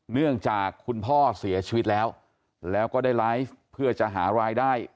เนื่องจากคุณพ่อเสียชีวิตแล้วแล้วก็ได้ไลฟ์เพื่อจะหารายได้